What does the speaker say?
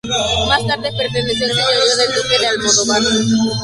Más tarde perteneció al señorío del duque de Almodóvar.